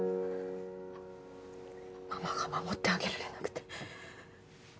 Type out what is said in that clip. ママが守ってあげられなくて。